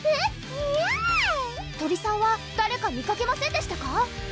えるぅ鳥さんは誰か見かけませんでしたか？